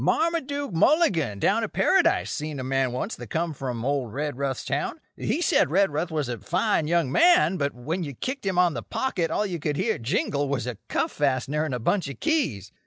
Marmaduke Mulligan, down at Paradise, seen a man once that come from old Redruth's town. He said Redruth was a fine young man, but when you kicked him on the pocket all you could hear jingle was a cuff fastener and a bunch of keys.